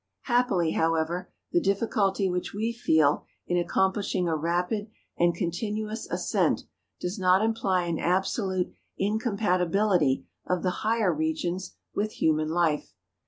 Happily, however, the difficulty which we feel in accomplishing a rapid and continuous ascent does not imply an absolute incompatibility of the higher regions with human life.